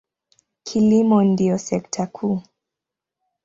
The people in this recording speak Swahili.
Kilimo ndiyo sekta kuu.